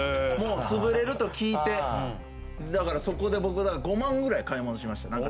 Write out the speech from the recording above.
もうつぶれると聞いてだからそこで僕５万ぐらい買い物しました